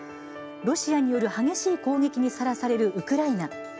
ロシアによる激しい攻撃にさらされるウクライナ。